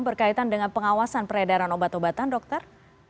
berkaitan dengan pengawasan peredaran obat obatan dokter